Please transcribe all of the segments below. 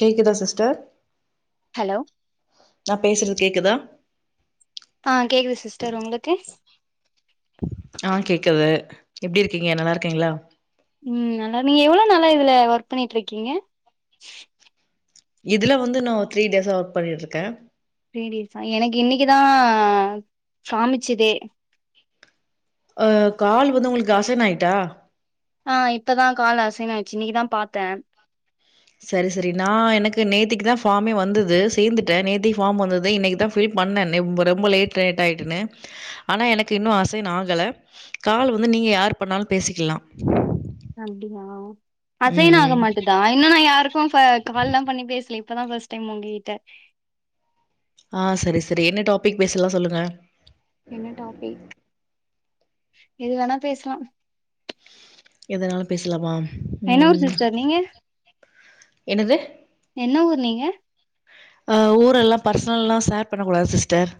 கேக்குதா sister hello நா பேசறது கேக்குதா ஆ கேக்குது சிஸ்டர் ஒங்ளுக்கு ஆ கேக்குது எப்டி இருக்கீங்க நல்லார்க்கீங்ளா ம் நல்லா நீங்க எவ்ள நளா இதுல ஒர்க் பண்ணிட்டு இருக்கீங்க இதுல வந்து நா த்ரீ டேஸா ஒர்க் பண்ணிட்டுருக்கேன் பீரியட்ஸ்ஸா எனக்கு இன்னைக்குதான் காமிச்சதே அ கால் வந்து உங்ளுக்கு அசைனாயிட்டா ஆ இப்பதான் கால ஆசைன் ஆச்சு இன்னைக்குதான் பாத்தேன் சரி சரி நான் எனக்கு நேத்திக்குதா ஃபார்மே வந்துது சேந்துட்டன் நேத்திக்கு ஃபார்ம் வந்துது இன்னைக்குதான் ஃபீல் பண்ணே நெம்ப ரொம்ப லேட் நைட் ஆயிட்டுன்னு ஆனா எனக்கு இன்னு அசைனாகல கால் வந்து நீங்க யார்ப் பண்ணாலு பேசிக்கலா அப்டியா அசைனாக ம் மாட் இதுதா இன்னு நா யாருக்கு ஃப கால்லாம் பண்ணி பேச்லே இப்பதா ஃபர்ஸ்ட் டைம் உங்ககிட்ட ஆ சரி சரி என்ன டாபிக் பேசலா சொல்லுங்க என்ன டாபிக் எது வேணா பேசலா எதனாலு பேசலாமா என்ன ஊர் ம் சிஸ்டர் நீங்க என்னது என்ன ஊர் நீங்க அ ஊரெல்லா பர்ச்னல்லா ஷேர் பண்ண கூூடாது சிஸ்டர்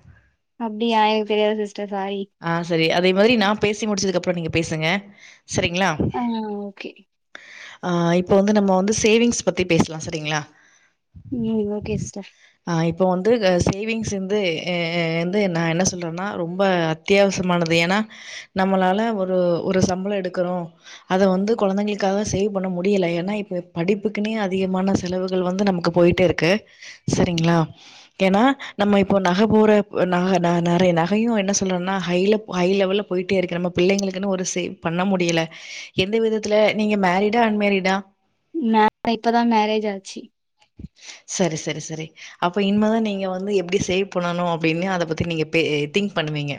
அப்டியா எனக்கு தெரியாது சிஸ்டர் சாரி ஆ செரி அதே மாதிரி நா பேசி முடிச்சதுக்கப்றோ நீங்க பேசுங்க சரிங்ளா ஆ ஓகே ஆ இப்ப வந்து நம்ம வந்து சேவிங்ஸ் பத்தி பேசலா சேரிங்ளா ம் ஓகே சிஸ்டர் அ இப்போ வந்துக சேவிங்ஸ் இந்து எ எ எந்து நா என்ன சொல்றனா ரொம்ப அத் அத்தியாவசமானது ஏனா நம்மளால ஒரு ஒரு சம்பளோ எடுக்குறோ அத வந்து கொழந்தைங்களுக்காக சேவ் பண்ண முடியல ஏனா இப்ப படிப்புக்குன்னே அதிகமான செலவுகள் வந்து நமக்கு போயிட்டே இருக்கு சேரிங்களா ஏனா நம்ம இப்போ நகை போற ந நெறைய நகையு என்ன சொ ல்றோம்னா ஹை ஹை லெவல்ல போயிட்டே இருக்கு நம்ம புள்ளைங்களுக்குன்னு ஒரு சேவ் பண்ண முடியல எந்த விதத்துல நீங்க மேரிடா அன்மேரிடா நா இப்போதா மேரேஜ் ஆச்சி சரி சரி சரி அப்ப இன்மேதா நீங்க வந்து எப்டி சேவ் பண்ணணு அப்டினு அத பத்தி நீங்க பே திங்க் பண்ணுவீங்க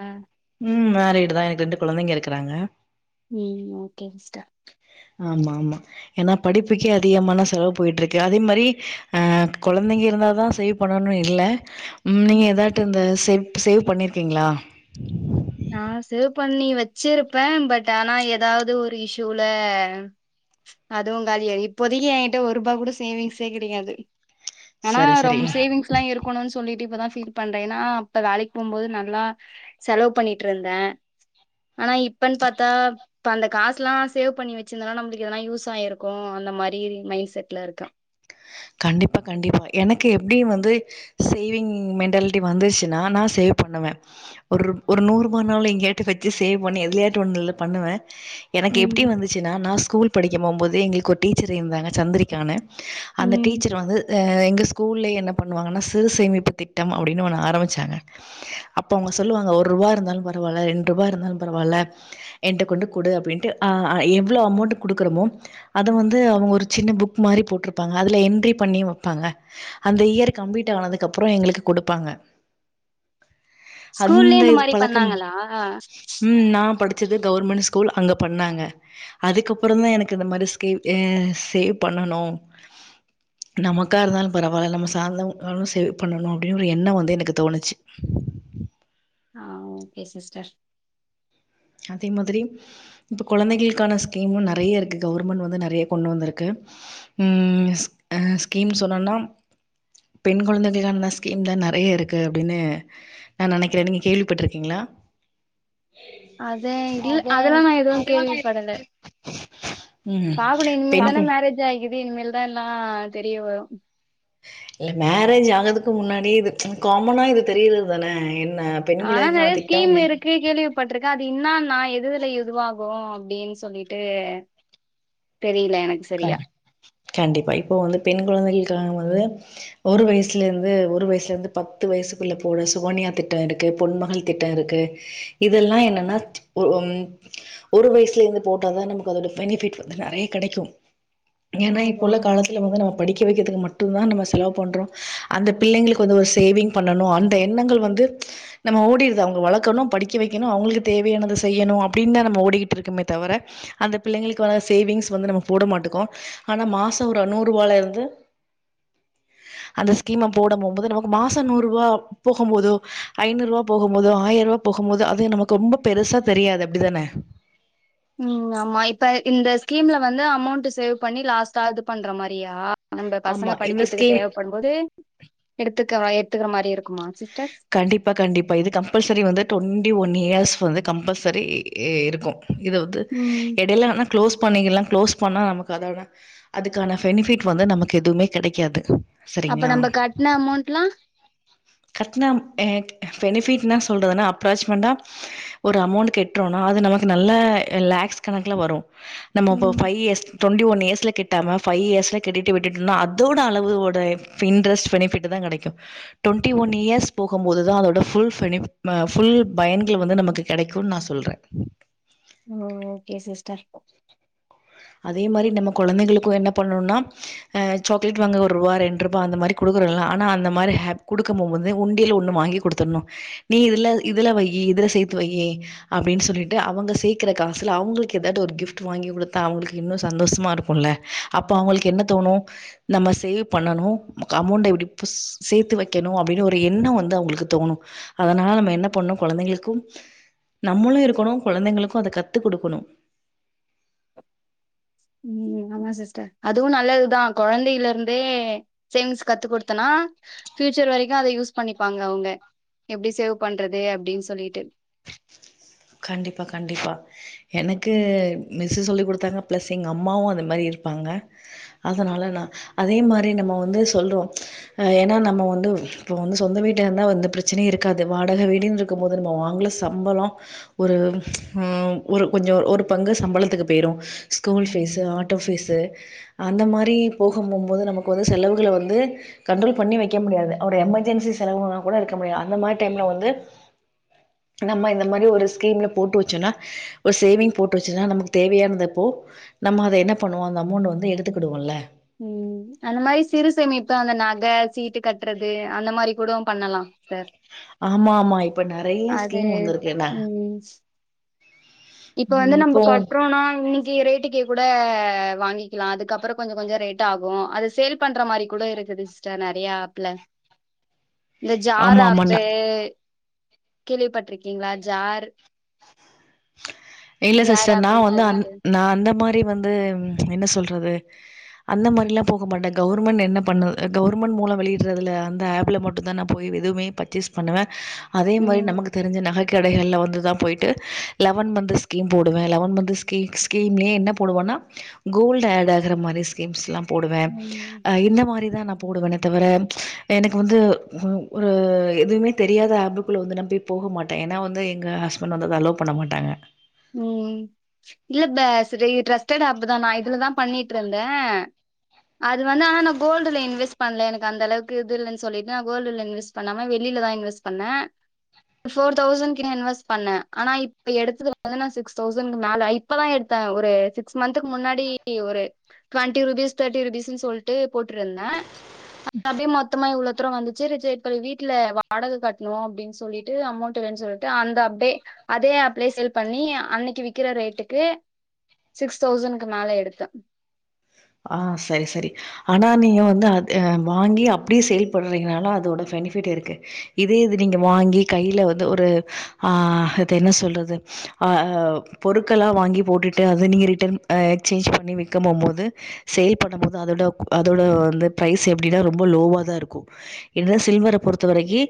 ஆ ம் மேரிடு தா எனக்கு ரெண்டு குழந்தைங்க இருக்கறாங்க ம் ஓக்கேங் சிஸ்டர் ஆமாமா ஏன்னா படிப்புக்கே அதிகமான செலவு போயிட்டு இருக்கு அதே மாரி ஆ குழந்தைங்க இருந்தா சே பண்ணணு இல்ல ம் நீங்க எதாட்டு இந்த சேவ் சேவ் பண்ணிருக்கீங்ளா நா சேவ் பண்ணி வச்சிருப்பே பட் ஆனா ஏதாவது ஒரு இஸ்யூல அதுவு காலியாயி இப்போதைக்கி எங்கிட்ட ஒரு ரூபாய் கூட சேவிங்ஸே கிடையாது ஆனா சரி, ரொம் சரி. சேவிங்ஸ் த்லா இருக்கணுன் சொல்லிட்டு இப்பதா ஃபீல் பண்றே ஏன்னா அப்ப வேலைக்கு போம்போது நல்லா செலவு பண்ணிட்ருந்தே ஆனா இப்பன் பாத்தா இப்ப அந்த காசுலா சேவ் பண்ணி வச்சிருந்தனா நம்மளுக்கு எதனா யூஸ் ஆயிருக்கு அந்த மாரி மைண்ட் செட்ல இருக்கே கண்டிப்பா கண்டிப்பா எனக்கு எப்டி வந்து சேவிங் மென்டாலிட்டி வந்துருச்சின்னா நா சேவ் பண்ணுவே ஒர்ரு ஒரு நூற்ரூபானாலு எங்கயாட்ட வச்சி சேவ் பண்ணி எதுலையாட்டுல ஒண்ணுல பண்ணுவே எனக்கு எப்டி ம் வந்துச்சினா நா ஸ்கூல் படிக்க போம்போது எங்களுக்கு ஒரு டீச்சர இருந்தாங்க சந்திரிகானு அந்த ம் டீச்சர் வந்து அ எங்க ஸ்கூல்ல என்ன பண்ணுவாங்கன்னா சிறு சேமிப்பு திட்டம் அப்டினு ஒனனு ஆரம்பிச்சாங்க அப்ப அவுங்க சொல்லுவாங்க ஒர்ரூபா இருந்தாலு பரவால ரெண்ரூபா இருந்தாலு பரவால்ல என்ட்ட கொண்டு குடு அப்டின்ட்டு அ அ எவ்ளோ அமோண்ட்டு குடுக்குறோமோ அத வந்து அவுங்க ஒரு சின்ன புக் மாரி போட்ருப் ப்பாங்க அதுல என்ட்ரி பண்ணி வப்பாங்க அந்த இயர் கம்ப்ளீட்டு ஆனதுக்கு அப்றோ எங்களுக்கு குடுப்பாங்க ஸ்கூல்லயே அந்த இந்த இது மாரி பழக்கம் பண்ணாங்களா ம் நா படு ச்சது கவர்மெண்ட் ஸ்கூல் அங்க பண்ணாங்க அதுக்கப்பறந்தா ம் எனக்கு இந்த மாரி கேவ் எ சேவ் பண்ணணு நமக்கா இருந்தாலு பரவால நம்ம சார்ந்தவங்களு [unintelligible] சேவ் பண்ணணு அப்டினு ஒரு எண்ண வந்து எனக்கு தோணுச்சி ஆ ஓகே சிஸ்டர் அதே மாதிரி இப்ப குழந்தைகளுக்கான ஸ்கீமும் நெறைய இருக்குது கவுவர்மெண்ட் வந்து நெறைய கொண்டு வந்திருக்கு ம் அ ஸ்கீம் சொன்னோனா பெண் குழந்தைகளுக்கான ஸ்கீம் தா நெறைய இருக்கு அப்டின்னு நா நெனைக்கிற நீங்கள் கேள்விப்பட்டுருக்கீங்களா அத இல்ல அத அதெல்லா நா எதுவு அதெல்லா நா எப்டி [unintelligible] பாக்கனு இனிமேல் தானே மேரேஜ் ஆகிது இனிமேலதா எல்லா தெரிய வரு இல்ல மேரேஜ் ஆகறதுக்கு முன்னாடியே இது காமனா இது தெரியறது தானே என்ன பெண் ஆனா நெறைய குழந்தைக்கான ஸ்கீம் திட்டம் இருக்கு கேள்வி பட்டுருக்க அது இன்னுன நா எதுஎதுல இதுவாகும் அப்டின்னு சொல்லிட்டு தெரியல எனக்கு சரியா கண் கண்டிப்பா இப்போ வந்து பெண் குழந்தைகளுக்காக வந்து ஒரு வயசுலேந்து ஒரு வயசுல இருந்து பத்து வயசுக்குள்ள போட சுகன்யா திட்ட இருக்கு பொன்மகள் திட்ட இருக்கு இதெல்லா என்னன்னா ஒரு ம் ஒரு வயசுல இருந்து போட்டாதா நமக்கு அதோட பெனிஃபிட் வந்து நெறைய கெடைக்கு ஏனா இப்ப ஓஹோ உள்ள காலத் அதுல வந்து நம்ம படிக்க வைக்கிறதுக்கு மட்டுந்தா நம்ம செலவு பண்றோ அந்த பிள்ளைங்களுக்கு வந்து ஒரு சேவிங் பண்ணணு அந்த எண்ணங்கள் வந்து நம்ம ஓடிர்து அவுங்க வளக்கணு படிக்க வெக்கிணு அவுங்ளுக் தேவையானத செய்யணு அப்டின்தா நம்ம ஓடிக்கிட் இருக்கமே தவர அந்த பிள்ளைங்களுக்கு வான சேவிங்ஸ் வந்து நமக் போட மாட்டுக்கோ ஆனா மாச ஒரு நூறுவால இருந்து [inaudible] அந்த ஸ்கீம போட போம்போது நமக் மாச நூறுபா போகும் போதோ ஐநூற்வா போகும் போதோ ஆயர்வா போகும் போது அது நம்ளுக்கு ரொம்ப பெருசா தெரியாது அப்டிதானே ம் ஆமா இப்ப இந்த ஸ்கீம்ல வந்து அமௌண்ட் சேவ் பண்ணி லாஸ்டா இது பண்ற மாரியா நம்ப பசங்க ஆமா இந்த படிக்கிற்துக்கு ஸ்கீம் தேவ்ப்படும் போது எடுத்துக்கிற்றோ எத்துக்கிற மாரி இருக்குமா சிஸ்டர் கண்டிப்பா கண்டிப்பா இது கம்பல்சரி வந்து டொவெண்டி ஒன் இயர்ஸ் வந்து கம்பல்சரி இருக்கு இத வந்து ம் இடைலா ந க்ளோஸ் பண்ணிக்கலா க்ளோஸ் பண்ணா நமக்கு அத அதுக்கான பெனிஃபிட் வந்து நமக்கு எதுவுமே கெடைக்காது அப்ப சரிங்களா நம்ப கட்ண அமௌண்ட்லா கட்னா எ பெனிஃபிட்னா சொல்றதுனா அப்ராச்மென்ட்டா ஒரு அமௌண்டு கெட்றோனா அது நமக்கு நல்ல லேக்ஸ் கணக்குல வரு நம்ம இப்ப ம் ஃபைய் இயர்ஸ் டொண்ட்டி ஒன் இயர்ஸில கெட்டாம ஃபைய் இயர்ஸ்ல கெட்டிட்டு விட்டுடுனா அதோட அளவுவோட ஃபின்ரஸ் பெனிஃபிட்டு தா கெடைக்கு [unintelligible] டொண்டி ஒன் இயர்ஸ் போகும்போதுதா அதோட ஃபுல் பெனிப் ஃபுல் பயன்கள் வந்து நமக்கு கெடைக்குன் நா சொல்றே ஓகே சிஸ்டர் அதே மாரி நம்ம கொழந்தைகிளுக்கு என்ன பண்ணோனா அ சாக்லேட் வாங்க ஒருவா ரெண் ரூபா அந்த மாரி குடுக்கிறல்ல ஆனா அந்த மாரி ஹே குடுக்கபோம் போது உண்டியிலு ஒன்னு வாங்கி குடுத்துணு நீ இதுல இதுல வையி இதுல சேத்து வையி அப்டின் சொல்லிட்டு அவங்க சேக்கிற காசுல அவுங்ளுக்கு எதாது ஒரு கிஃப்ட் வாங்கி குடுத் தா அவுங்ளுக்கு இன்னு சந்தோஷ்மா இருக்குல அப்ப அவுங்ளுக் என்ன தோணு நம்ம சேவ் பண்ணணு நமக் அமௌண்ட எப்டி புஸ் சேத்து வெக்கணு அப்டினு ஒரு எண்ண வந்து அவுங்ளுக்கு தோணு அதனால நம்ம என்ன பண்ணு கொழந்தைங்களுக்கும் நம்முளு இருக்குணு கொழந்தைங்கிளுக்கு அத கத்து குடுக்குணு ம் ஆமா சிஸ்டர் அதுவு நல்லதுதா கொழந்தைலர்ந்தே சேவிங்ஸ் கத்து குடுத்தனா ஃபியூச்சர் வரைக்கு அத யூஸ் பண்ணிப்பாங்க அவுங்க எப்படி சேவ் பண்றது அப்படின் சொல்லிட்டு கண்டிப்பா கண்டிப்பா எனக்கு மிஸ்ஸு சொல்லி குடுத்தாங்க பிளஸ் எங்க அம்மாவு அது மாரி இருப்பாங்க அதனால நா அதே மாரி நம்ம வந்து சொல்லுவோ ஏனா நம்ம வந்து இப்ப வந்து சொந்த வீட்டேந்தா வந்து பிரச்சின இருக்காது வாடக வீடுன்ரு இருக்கும் போது நம்ம வாங்ல சம்பளோ ஒரு ம் ஒரு கொஞ்சோ ஒரு பங்கு சம்பளத்துக்கு பேய்ரு ஸ்கூல் ஃபீஸ்ஸூ ஆட்டோ ஃபீஸ்ஸூ அந்த மாரி போக போம்போது நமக்கு வந்து செலவுகள வந்து கண்ட்ரோல் பண்ணி வெக்க முடியாது ஒரு எமர்ஜென்சி செலவுனா கூட எடுக்க முடியாது அந்த மார் டைம்ல வந்து நம்ம இந்த மாரி ஒரு ஸ்கீம்ல போட்டு வச்சோனா ஒரு சேவிங் போட்டு வச்சுனா நமக் தேவையான்தெப்போ நம்ம அத என்ன பண்ணுவோ அந்த அமௌண்ட வந்து எடுத்துக்கிடுவோல ம் அந்த மாரி சிறுசேமிப்ப அந்த நக சீட்டு கட்றது அந்த மாரி கூடோ பண்ணலா சார் ஆமா ஆமா இப்ப நெறைய ஸ்கீம் வந்துருக்கு என்ன ம் இப்ப வந்து ம் நம்ம இப்போ கட்றோனா இன்னி னிக்கு ரேட்டுக்கு கூட வாங்கிக்கலா அதுக்கப்றோ கொஞ்சோ கொஞ்சோ ரேட் ஆகு அது சேல் பண்ற மாரி கூட இருக்குது சி நெறைய ஆப்ல இந்த ஜார் ஆமா ஆமா ஆப்பு நா கேள்விப்பட்ருக்கீங்களா ஜார் இல்ல ஜார் சிஸ்டர் நா ஆப்புன்னு வந்து அந் சொல்லிட்டு நா அந்த மாரி வந்து என்ன சொல்றது அந்த மாரிலா போக மாட்டே கவர்மெண்ட் என்ன பண்ணு கவர்மெண்ட் மூலோ வெளியிடறதுல அந்த ஆப்ல மட் ட்டுதான் நா போய் எதுவுமே பர்ச்சேஸ் பண்ணுவ அதே மாரி ம் நமக்கு தெரிஞ்ச நகை கடைகள்ல வந்து தான் போய்ட்டு லெவன் மந்த்ஸ் ஸ்கீம் போடுவ லெவன் மந்த் ஸ்கீ ஸ்கீம்லயே என்ன போடுவனா கோல்டு ஆட் ஆகுற மாரி ஸ் ஸீகீம்ஸ்லாம் போடுவ ம். அ இந்த மாரிதான் நா போடுவனே தவிர எனக்கு வந்து ஒரு எதுவுமே தெரியாத ஆப்புக்குள்ள வந்து நா போய் போக மாட்ட ஏன்னா வந்து எங்க ஹஸ்பண்ட் வந்து அத அலோ பண்ண மாட்டாங்க ம் இல்லப்ப சரி டிரஸ்டடு ஆப் தான நா இதுலதா பண்ணிட்டு இருந்தே அது வந்து ஆனா நா கோல்டுல இன்வெஸ் பண்ணல எனக்கு அந்த அளவுக்கு இது இல்லனு சொல்லிட்டு நா கோல்டுல இன்வெஸ்ட் இப்ப நம்ம வெளியிலதா இன்வெஸ்ட் பண்ண ஃபோர் தௌசண்ட்க்கு நா இன்வெஸ்ட் பண்ண ஆனா இப்ப எடுத்த அதனா சிக்ஸ் தௌசண்ட்கு மேல இப்பதா எடுத்தே ஒரு சிக்ஸ் மந்துக்கு முன்னாடி ஒரு டுவெண்டி ருபீஸ் தேர்ட்டி ருபீஸ்ன்னு சொல்ட்டு போட்டுருந்தே அது அப்டியே மொத்தமா இவ்ள தூர வந்து சேரி வீட்ல வாடகை கட்ணு அப்டின்னு சொல்லிட்டு அமௌண்ட் வேனு சொல் ந்து அந்த அப்டே அதே ஆப்லயே சேல் பண்ணி அன்னைக்கு வி விக்கிற ரேட்டுக்கு சிக்ஸ் தௌசண்ட்க்கு மேல எடுத்த ஆ சரி சரி ஆனா நீங்க வந்து அது வாங்கி அப்டியே சேல் பண்றீங்கனால அதோட பெனிபிட் இருக்கு இதே இது நீங்க வாங்கி கையில வந்து ஒரு ஆ அது என்ன சொல்றது அ பொருட்கலா வாங்கி போட்டுட்டு அத நீங்க ரிட்டன் அ எக்ஸ்சேஞ்ச் பண்ணி விக்க போம் போது சேல் பண்ண போது அதோட அதோட வந்து ப்ரைஸ் எப்டின்னா ரொம்ப லோவா தா இருக்கும் இத சில்வர பொறுத்த வரைக்கி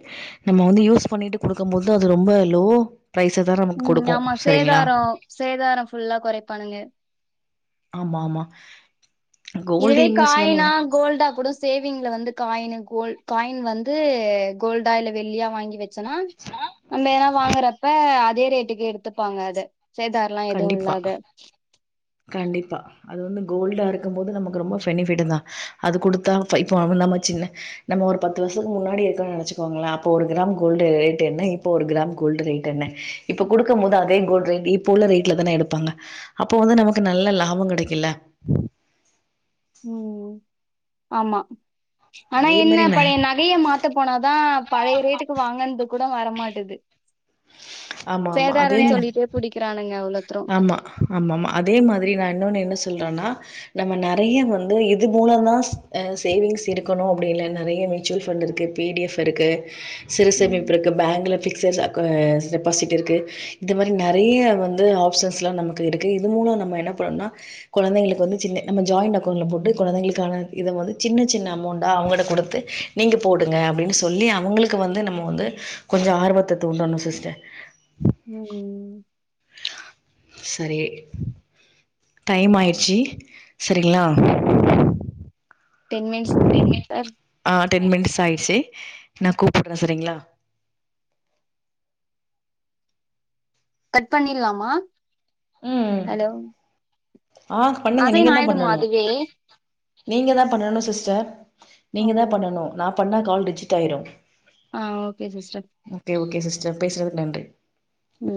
நம்ம வந்து யூஸ் பண்ணிட்டு குடுக்கும் போதுதான் அது ரொம்ப லோ ப்ரைஸ தா நமக்கு குடுக்கும் சரிங்களா சேதாரம் ஃபுல்லா குறைப்பானுங்க ஆமா ஆமா கோல்டு இதுவே இன்வெஸ்ட்மென்ட் காயினா வந் கோல்டா கூட சேவிங்ல வந்து காயின் கோல் காயின் வந்து கோல்டா இல்ல வெள்ளியா வாங்கி வச் சுன்னா நம்ம ஏனா வாங்குறப்ப அதே ரேட்டுக்கு எடுத்துப்பாங்க அத சேதாரலா எதுவும் கண்டிப்பா. இல்லாத கண்டிப்பா அது வந்து கோல்டா இருக்கும் போது நமக்கு ரொம்ப பெனிபிட் தான் அது கொடுத்தா இப்ப அவ நம்ம சின்ன நம்ம ஒரு பத்து வருஷத்துக்கு முன்னாடி இருக்கன் நெனச்சுக்கோங்கள அப்போ ஒரு கிராம் கோல்டு ரேட் என்ன இப்போ ஒரு கிராம் கோல்டு ரேட் என்ன இப்ப குடுக்கும் போது அதே கோல்டு ரேட் இப் போல ரேட்ல தான எடுப்பாங்க அப்போ வந்து நமக்கு நல்ல லாபம் கெடைக்குல ம் ஆமா ஆனா அதே என்ன மாரி பழைய ந நகைய மாத்த போனாதான் பழைய ரேட்டுக்கு வாங்கனது கூட வரமாட்டது ஆமா ஆமா அதே புடிக்குறானுங்க அவ்ளோதுரும் ஆமா ஆமா அதே மாதிரி நா இன்னொன்னு என்ன சொல்றன்னா நம்ம நெறைய வந்து இது மூல தான் அ சேவிங்ஸ் இருக்கணும் அப்படி இல்ல நெறைய மியூச்சுவல் பஃண்டு இருக்கு பி டி எஃப் இருக்கு சிறு சேமிப்பு ம் இருக்கு பேங்க்ல பிக்சஸ் அக் அ டெபாசிட் இருக்கு இந்த மாரி நறைய வந்து ஆப் சஸ்லா நமக்கு இருக்கு இது மூலோ நம்ம என்ன பண்ணோனா கொழந்தைங்குளுக்கு வந்து சின்ன நம்ம ஜாய்ண்ட் அக்கவுண்ட்ல போட்டு கொழந்தைங்களுக்கான இத வந்து சின்ன சின்ன அமௌண்டா அவங்கள்ட குடுத்து நீங்க போடுங்க அப்டீன்னு சொல்லி அவுங்களுக்கு வந்து நம்ம வந்து கொஞ்சோ ஆர்வத்த தூண்டணோ சிஸ்டர் ம் ம் சரி டைம் ஆயிடுச்சி சரிங்ளா டென் மினிட்ஸ் டர் ஆ டென் மினிட்ஸ் ஆயிட்ச்சி நா கூப்புட்றே சரிங்ளா கட் பண்ணீர்லாமா ம் ஹலோ ஆ பண்ணுங்க அசைன் நீங்க தா ஆயிடுமா பண்ணனோ அதுவே நீங்க தா பண்ணணு சிஸ்டர் ஓ நீங்க தா பண்ணணு நா பண்ணா கால் ரிஜிட் ஆயிரு ஆ okay sister okay okay sister பேஸ்னதுக்கு நன்றி ம்